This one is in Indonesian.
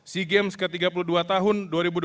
sea games ke tiga puluh dua tahun dua ribu dua puluh